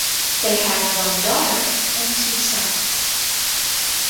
They have one daughter and two sons.